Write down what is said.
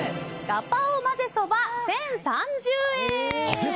ガパオまぜそば、１０３０円。